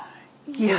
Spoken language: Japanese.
いや。